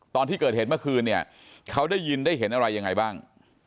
ตอนที่เกิดเหตุเมื่อคืนเนี่ยเขาได้ยินได้เห็นอะไรยังไงบ้าง